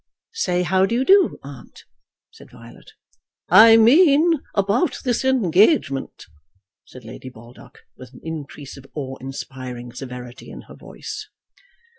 "Say 'how d'you do?' aunt," said Violet. "I mean about this engagement," said Lady Baldock, with an increase of awe inspiring severity in her voice.